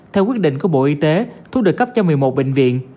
theo quyết định của bộ y tế thuốc được cấp cho một mươi một bệnh viện